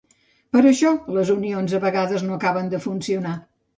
Per això les unions a vegades no acaben de funcionar.